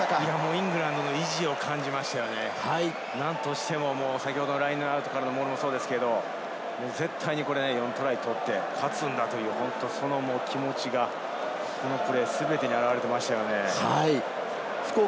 イングランドの意地を感じましたね、何としてもラインアウトからのモールもそうでしたが、絶対に４トライを取って勝つんだというその気持ちがこのプレー全てに表れていました。